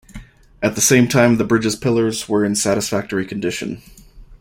At the same time, the bridge's pillars were in satisfactory condition.